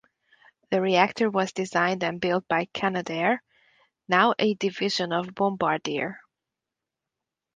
The reactor was designed and built by Canadair, now a division of Bombardier.